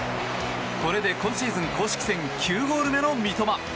これで今シーズン公式戦９ゴール目の三笘。